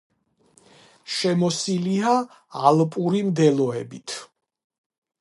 შემოსილია ალპური მდელოებით.